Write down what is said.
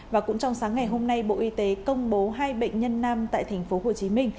và cũng trong sáng ngày hôm nay bộ y tế công bố hai bệnh nhân nam tại tp hcm